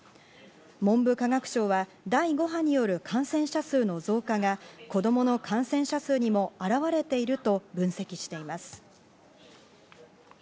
文部科学省は、第５波による感染者数の増加が子供の感染者数にも表れていると分析しています。